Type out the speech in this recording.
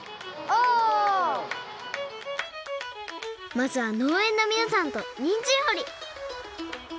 まずはのうえんのみなさんとにんじんほり。